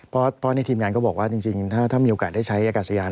เพราะในทีมงานก็บอกว่าจริงถ้ามีโอกาสได้ใช้อากาศยาน